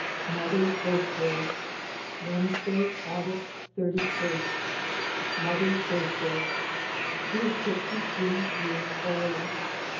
mother's birthday. Wednesday, August 31. Mother's birthday. She is fifty three years old.